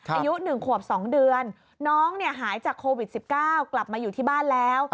อายุ๑ขวบ๒เดือนน้องหายจากโควิด๑๙กลับมาอยู่ที่บ้านแล้ว